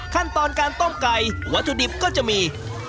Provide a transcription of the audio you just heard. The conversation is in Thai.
ขั้นตอนการต้มไก่วัตถุดิบก็จะมี